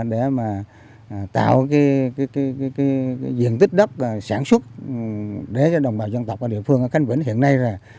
để mà tạo cái diện tích đất sản xuất để cho đồng bào dân tộc ở địa phương ở cánh vĩnh hiện nay